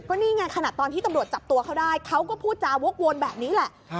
นี่ไงขนาดตอนที่ตำรวจจับตัวเขาได้เขาก็พูดจาวกวนแบบนี้แหละ